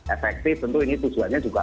efektif tentu ini tujuannya juga